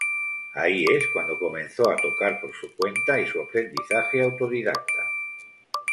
Ahí es cuando comenzó a tocar por su cuenta y su aprendizaje autodidacta.